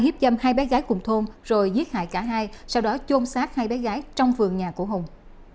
hiếp dâm hai bé gái cùng thôn rồi giết hại cả hai sau đó chôn sát hai bé gái trong vườn nhà của hùng